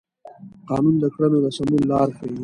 قانون د کړنو د سمون لار ښيي.